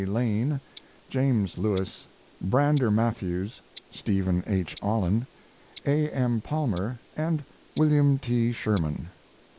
Lane, James Lewis, Brander Matthews, Stephen H. Olin, A. M. Palmer, and William T. Sherman.